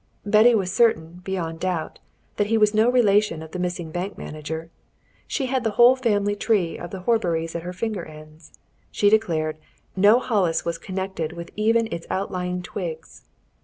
Betty was certain, beyond doubt, that he was no relation of the missing bank manager: she had the whole family tree of the Horburys at her finger ends, she declared: no Hollis was connected with even its outlying twigs.